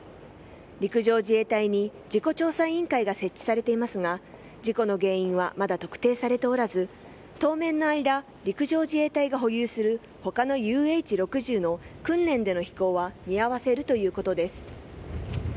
陸上自衛隊に事故調査委員会が設置されていますが事故の原因は、まだ特定されておらず、当面の間、陸上自衛隊が保有する他のＵＨ６０の訓練での飛行は見合わせるということです。